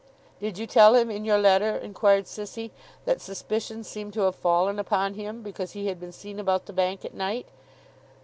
'Did you tell him in your letter,' inquired Sissy, 'that suspicion seemed to have fallen upon him, because he had been seen about the Bank at night?